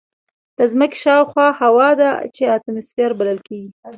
د ځمکې شاوخوا هوا ده چې اتماسفیر بلل کېږي.